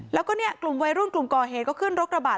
แล้วก็เนี่ยกลุ่มวัยรุ่นกลุ่มก่อเหตุก็ขึ้นรถกระบะ